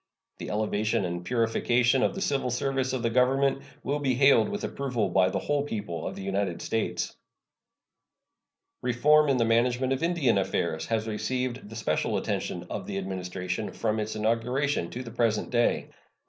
The elevation and purification of the civil service of the Government will be hailed with approval by the whole people of the United States. Reform in the management of Indian affairs has received the special attention of the Administration from its inauguration to the present day.